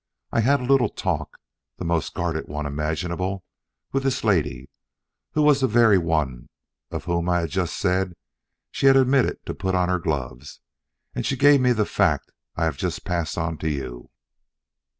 I had a little talk the most guarded one imaginable with this lady, who was the very one of whom I have just said that she had omitted to put on her gloves; and she gave me the fact I have just passed on to you.